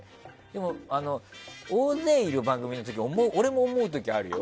でも、大勢いる番組の時は俺も思うことあるよ。